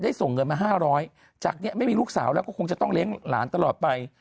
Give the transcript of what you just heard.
ส่งเงินมา๕๐๐จากนี้ไม่มีลูกสาวแล้วก็คงจะต้องเลี้ยงหลานตลอดไป